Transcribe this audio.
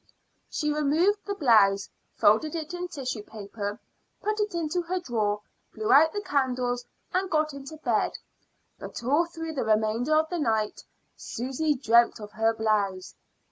She removed the blouse, folded it in tissue paper, put it into her drawer, blew out the candles, and got into bed. But all through the remainder of the night Susy dreamt of her blouse.